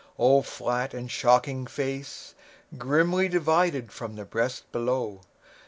O flat and shocking face, Grimly divided from the breast below!